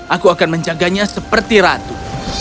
aku akan menjaganya seperti ratu